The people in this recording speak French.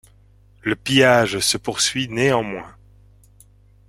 Le pillage se poursuit néanmoins.